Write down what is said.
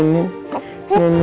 bangun tadi habis nidik